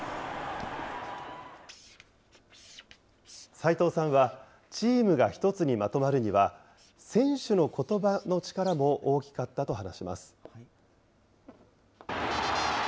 齋藤さんは、チームが一つにまとまるには、選手のことばの力も大きかったと話します。